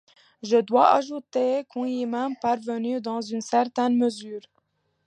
Je dois ajouter qu’on y est même parvenu dans une certaine mesure.